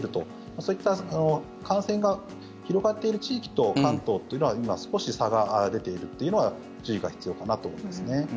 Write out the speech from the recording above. そういった感染が広がっている地域と関東というのは今、少し差が出ているというのは注意が必要かなと思いますね。